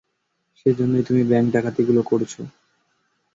সেজন্যই তুমি ব্যাংক ডাকাতিগুলো করছো।